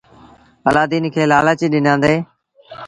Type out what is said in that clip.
الآدين کي لآلچ ڏنآندي۔